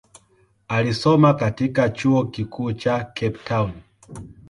Alisoma katika chuo kikuu cha Cape Town.